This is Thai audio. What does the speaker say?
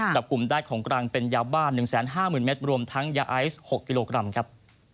จับกลุ่มได้ของกลางเป็นยาบ้าน๑๕๐๐๐เมตรรวมทั้งยาไอซ์๖กิโลกรัมครับ